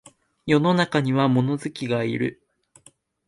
世の中には物好きがいる